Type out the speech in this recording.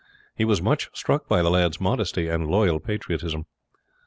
He was much struck by the lad's modesty and loyal patriotism.